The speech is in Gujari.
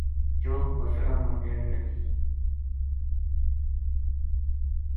چوگ بچڑاں نا دین لگی